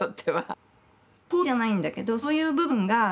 攻撃じゃないんだけどそういう部分が少し